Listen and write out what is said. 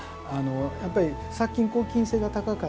やっぱり殺菌・抗菌性が高かったりと。